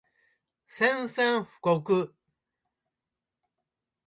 宣戦布告